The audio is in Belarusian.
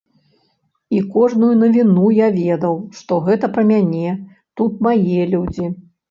І кожную навіну я ведаў, што гэта пра мяне, тут мае людзі.